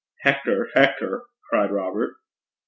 'Hector! Hector!' cried Robert.